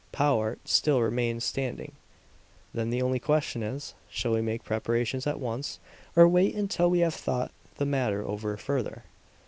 Powart still remained standing. "Then the only question is, shall we make preparations at once, or wait until we have thought the matter over further?"